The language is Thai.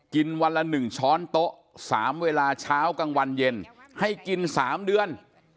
วันละ๑ช้อนโต๊ะ๓เวลาเช้ากลางวันเย็นให้กิน๓เดือน